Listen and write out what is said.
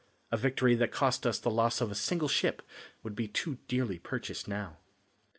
A victory that cost us the loss of a single ship would be too dearly purchased now.